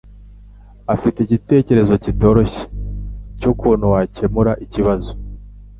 afite igitekerezo kitoroshye cyukuntu wakemura ikibazo.